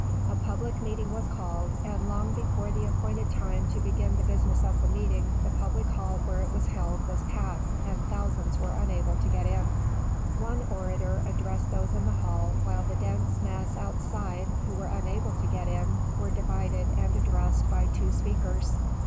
A public meeting was called, and long before the appointed time to begin the business of the meeting the public hall where it was held was packed, and thousands were unable to get in. One orator addressed those in the hall while the dense mass outside, who were unable to get in, were divided and addressed by two speakers.